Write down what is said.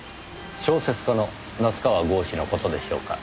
小説家の夏河郷士の事でしょうか？